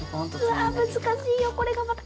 うわ難しいよこれがまた。